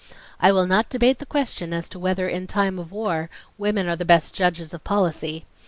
. "I will not debate the question as to whether in a time of war women are the best judges of policy.